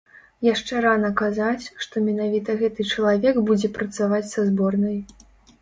Яшчэ рана казаць, што менавіта гэты чалавек будзе працаваць са зборнай.